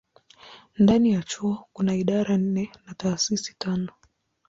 Ndani ya chuo kuna idara nne na taasisi tano.